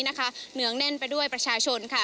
เหนืองแน่นไปด้วยประชาชนค่ะ